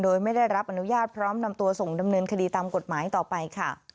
โดยไม่ได้รับอนุญาตพร้อมนำตัวส่งดำเนินคดีตามกฎหมายต่อไปค่ะ